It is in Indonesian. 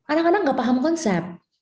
anak anak nggak paham konsep